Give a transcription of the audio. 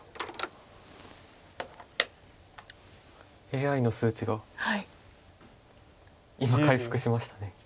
ＡＩの数値が今回復しました。